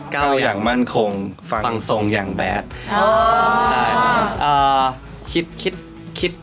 เข้าอย่างมั่นคงฟังฟังทรงอย่างแบดอ๋อใช่อ่าคิดคิดคิดคิด